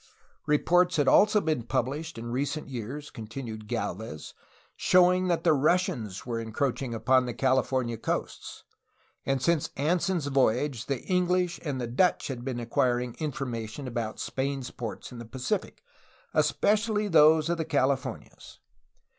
Reports had also been published in recent years, continued Gdlvez, showing that the Russians were encroach ing upon the California coasts, and since Anson's voyage the English and the Dutch had been acquiring information about Spain's ports in the Pacific, especially those of the Cali fornias.